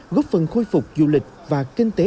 góp phần khôi phục du lịch và kinh tế